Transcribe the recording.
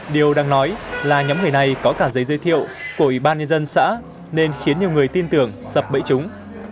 điều đang nói là nhóm người này có cả giấy giới thiệu của ủy ban nhân dân xã nên khiến nhiều người tin tưởng sập bẫy chúng